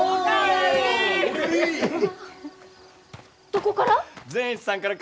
どこから？